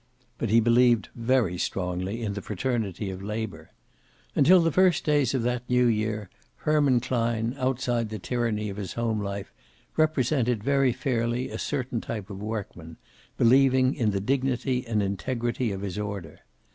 But he believed very strongly in the fraternity of labor. Until the first weeks of that New year, Herman Klein, outside the tyranny of his home life, represented very fairly a certain type of workman, believing in the dignity and integrity of his order.